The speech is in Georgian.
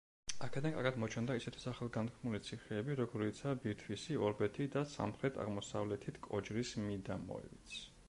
აქედან კარგად მოჩანდა ისეთი სახელგანთქმული ციხეები, როგორიცაა ბირთვისი, ორბეთი და სამხრეთ-აღმოსავლეთით კოჯრის მიდამოებიც.